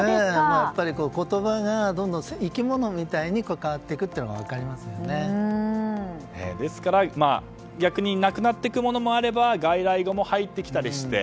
言葉がどんどん生き物みたいに変わっていくことがですから、逆になくなっていくものもあれば外来語も入ってきたりして。